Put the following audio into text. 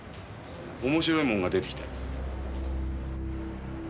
面白いもんが出てきたよ。